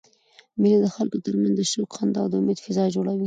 مېلې د خلکو ترمنځ د شوق، خندا او امېد فضا جوړوي.